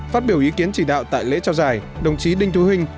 phát biểu ý kiến chỉ đạo tại lễ trao giải đồng chí đinh thu huynh